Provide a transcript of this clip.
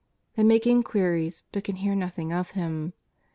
They make inquiries but can hear nothing of Him.